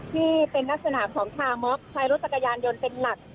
ที่เป็นนักศึกษาของชาวม็อคใช้รถตะกะยานยนต์เป็นหลัก